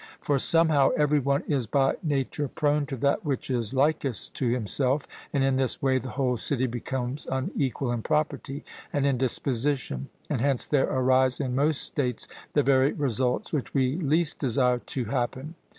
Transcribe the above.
For somehow every one is by nature prone to that which is likest to himself, and in this way the whole city becomes unequal in property and in disposition; and hence there arise in most states the very results which we least desire to happen.